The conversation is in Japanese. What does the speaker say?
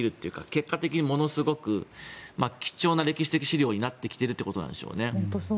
結果的にものすごく貴重な歴史的資料になってきてるってことなんでしょうね。